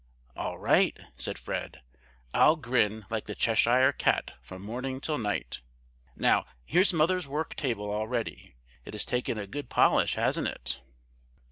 "All right!" said Fred. "I'll grin like the Cheshire cat from morning till night. Now, here's mother's work table, all ready. It has taken a good polish, hasn't it?"